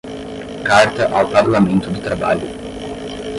Carta ao Parlamento do Trabalho